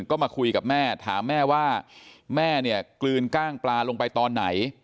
ก็มาคุยกับแม่ถามแม่ว่าแม่เนี่ยกลืนกล้างปลาลงไปตอนไหน